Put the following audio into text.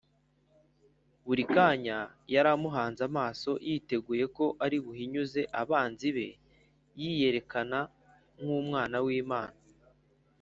buri kanya yari amuhanze amaso yiteguye ko ari buhinyuze abanzi be yiyerekana nk’umwana w’imana,